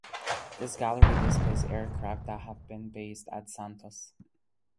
This gallery displays aircraft that have been based at Santos.